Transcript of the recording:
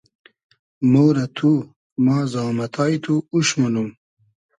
مۉ رۂ تو ، ما زامئتای تو اوش مونوم